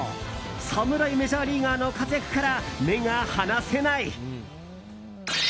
侍メジャーリーガーの活躍から目が離せない！